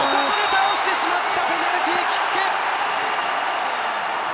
倒してしまったペナルティーキック！